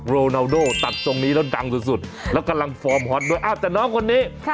โรนาโดตัดทรงนี้แล้วดังสุดแล้วกำลังฟอร์มฮอตด้วยอ้าวแต่น้องคนนี้